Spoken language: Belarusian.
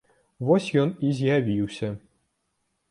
Вось ён і з'явіўся.